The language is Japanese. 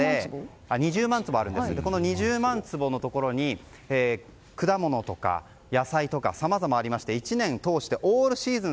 その２０万坪のところに果物とか野菜とかさまざまありまして１年を通してオールシーズン